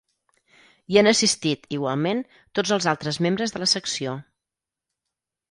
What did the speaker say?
Hi han assistit, igualment, tots els altres membres de la secció.